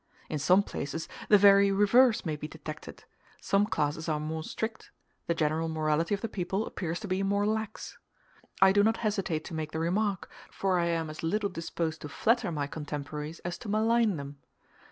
In some places the very reverse may be detected: some classes are more strict the general morality of the people appears to be more lax. I do not hesitate to make the remark, for I am as little disposed to flatter my contemporaries as to malign them.